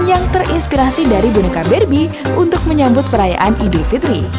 yang terinspirasi dari boneka berbi untuk menyambut perayaan idul fitri